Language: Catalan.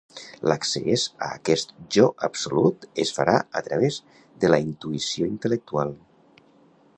L'accés a aquest Jo absolut es farà a través de la intuïció intel·lectual.